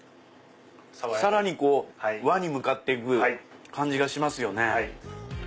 さらに和に向かっていく感じがしますよね。